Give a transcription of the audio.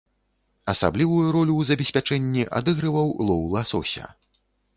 Асаблівую ролю ў забеспячэнні адыгрываў лоў ласося.